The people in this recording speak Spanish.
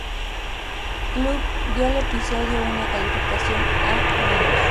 Club" dio al episodio una calificación A–.